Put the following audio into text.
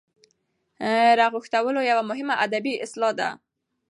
رغښتواله یوه مهمه ادبي اصطلاح ده.